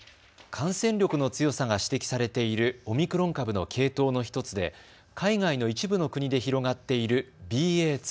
感染力の強さが指摘されているオミクロン株の系統の１つで海外の一部の国で広がっているＢＡ．２。